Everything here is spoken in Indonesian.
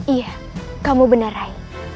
iya kamu benar rai